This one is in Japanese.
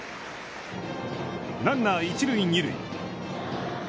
ランナー一塁二塁。